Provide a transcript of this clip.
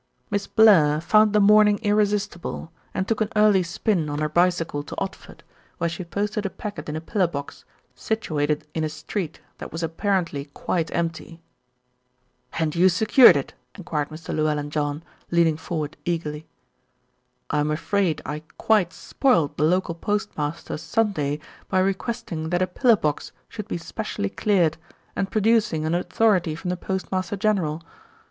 "Miss Blair found the morning irresistible, and took an early spin on her bicycle to Odford, where she posted a packet in a pillar box situated in a street that was apparently quite empty." "And you secured it?" enquired Mr. Lewellyn John, leaning forward eagerly. "I'm afraid I quite spoilt the local postmaster's Sunday by requesting that a pillar box should be specially cleared, and producing an authority from the Postmaster general.